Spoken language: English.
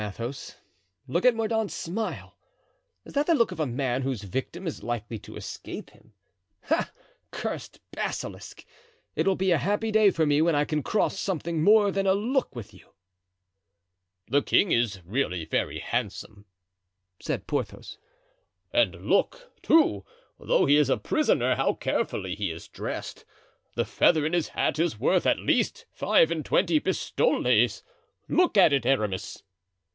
Athos, look at Mordaunt's smile. Is that the look of a man whose victim is likely to escape him? Ah, cursed basilisk, it will be a happy day for me when I can cross something more than a look with you." "The king is really very handsome," said Porthos; "and look, too, though he is a prisoner, how carefully he is dressed. The feather in his hat is worth at least five and twenty pistoles. Look at it, Aramis."